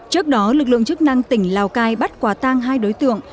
trước đó lực lượng chức năng tỉnh lào cai bắt quả tang hai đối tượng